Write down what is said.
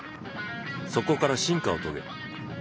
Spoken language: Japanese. そこから進化を遂げた。